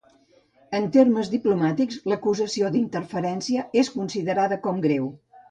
En termes diplomàtics, l’acusació d’interferència és considerada com greu.